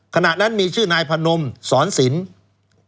ขณะนั้นมีชื่อนายพนมสอนศิลป์